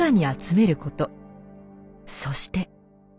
そして。